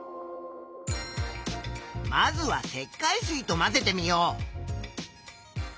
まずは石灰水と混ぜてみよう。